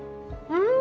うん！